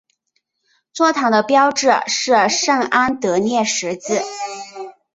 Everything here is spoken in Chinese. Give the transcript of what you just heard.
座堂的标志是圣安德烈十字。